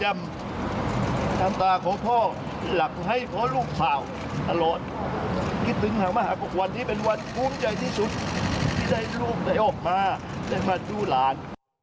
รู้สิบที่ได้ลูกได้ออกมาได้มาจู่ลาน